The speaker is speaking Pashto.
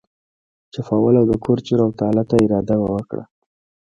چپاول او د کور چور او تالا ته اراده وکړه.